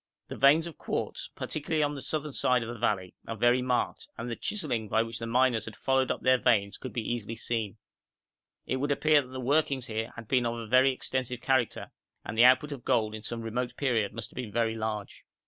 The veins of quartz, particularly on the southern side of the valley, are very marked, and the chiselling by which the miners had followed up their veins could easily be seen; it would appear that the workings here had been of a very extensive character, and the output of gold in some remote period must have been very large.